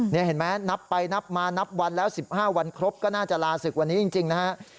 นี่เห็นไหมนับไปนับมานับวันแล้ว๑๕วันครบก็น่าจะลาศึกวันนี้จริงนะฮะ